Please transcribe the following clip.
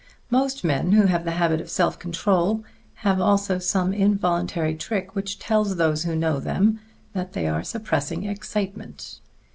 Most men who have the habit of self control have also some involuntary trick which tells those who know them that they are suppressing excitement.